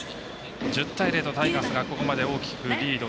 １０対０とタイガースがここまで大きくリード。